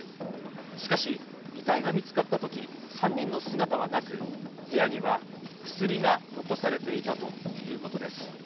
しかし、遺体が見つかったとき、３人の姿はなく、部屋には薬が残されていたということです。